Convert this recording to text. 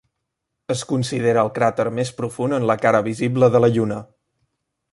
Es considera el cràter més profund en la cara visible de la Lluna.